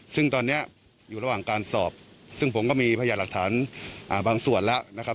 ซึ่งตอนนี้อยู่ระหว่างการสอบซึ่งผมก็มีพยาหลักฐานบางส่วนแล้วนะครับ